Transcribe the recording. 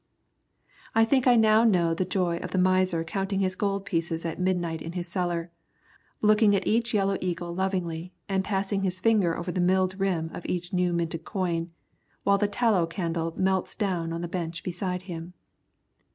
I think I know now the joy of the miser counting his gold pieces at midnight in his cellar, looking at each yellow eagle lovingly, and passing his finger over the milled rim of each new minted coin, while the tallow candle melts down on the bench beside him.